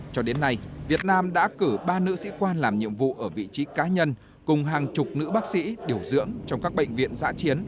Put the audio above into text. cho đến nay việt nam đã cử ba nữ sĩ quan làm nhiệm vụ ở vị trí cá nhân cùng hàng chục nữ bác sĩ điều dưỡng trong các bệnh viện giã chiến